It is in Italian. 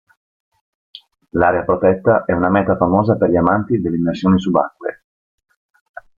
L'area protetta è una meta famosa per gli amanti delle immersioni subacquee.